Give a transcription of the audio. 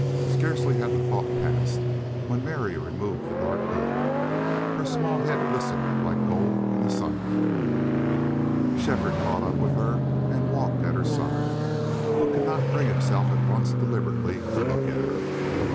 Scarcely had the thought passed when Mary removed the dark hood. Her small head glistened like gold in the sunlight. Shefford caught up with her and walked at her side, but could not bring himself at once deliberately to look at her.